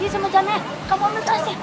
iya jangan ya kamu ambil keras ya